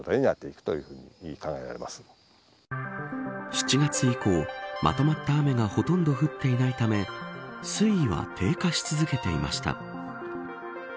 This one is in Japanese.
７月以降、まとまった雨がほとんど降っていないため水位は低下し続けていました。